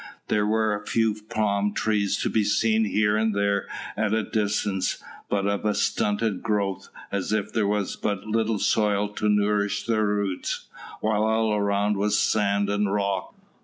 There were a few palm trees to be seen here and there at a distance, but of a stunted growth, as if there was but little soil to nourish their roots, while all around was sand and rock.